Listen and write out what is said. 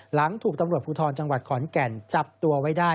หลังถูกตำรวจภูทรจังหวัดขอนแก่นจับตัวไว้ได้